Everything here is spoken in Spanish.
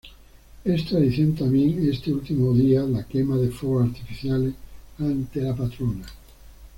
Es tradición tambien este ultimo dia la quema de fuegos artificiales ante la patrona.